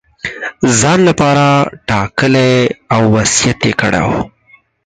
ځان لپاره ټاکلی او وصیت یې کړی وو.